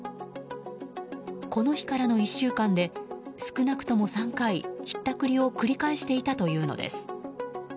この日からの１週間で少なくとも３回ひったくりを繰り返していたというのです。